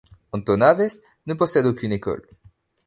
Antonaves ne possède aucune école.